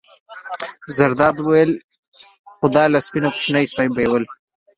زرداد وویل: خو دا له سپۍ نه کوچنی سپی بېلول.